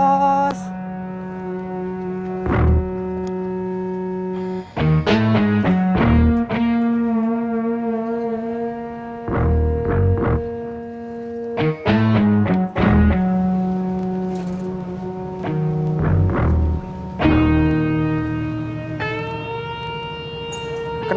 gua lagi mikir